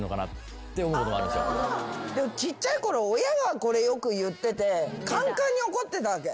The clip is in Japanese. ちっちゃいころ親がこれよく言っててカンカンに怒ってたわけ。